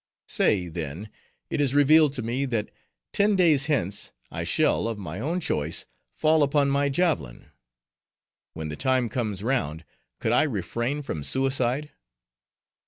Say, then, it is revealed to me, that ten days hence I shall, of my own choice, fall upon my javelin; when the time comes round, could I refrain from suicide?